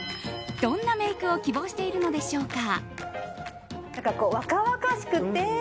どんなメイクを希望しているのでしょうか。